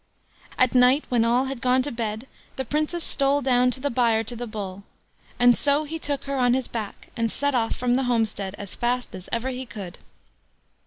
At night, when all had gone to bed, the Princess stole down to the byre to the Bull, and so he took her on his back, and set off from the homestead as fast as ever he could.